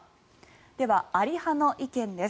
では、あり派の意見です。